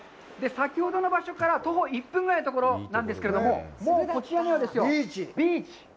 先ほどの場所から徒歩１分ぐらいのところなんですけれども、こちらはビーチ。